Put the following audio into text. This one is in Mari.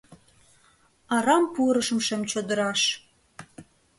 Арам пурышым шем чодыраш